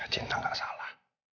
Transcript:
cinta gak salah